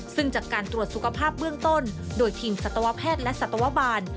ซึ่งจากการตรวจสุขภาพเบื้องต้นโดยทีมสัตวแพทย์และสัตวบาล